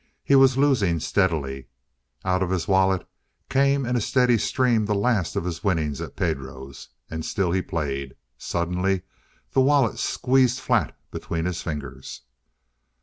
He was losing steadily. Out of his wallet came in a steady stream the last of his winnings at Pedro's. And still he played. Suddenly the wallet squeezed flat between his fingers.